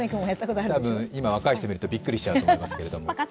多分、今の若い人が見るとびっくりしちゃうと思いますけど。